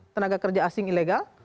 tenaga kerja asing ilegal